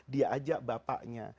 dia ajak bapaknya